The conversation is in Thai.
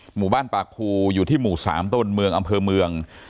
หมู่บ้านปากภูอยู่ที่หมู่๓ต้นเมืองอำเภอเมือง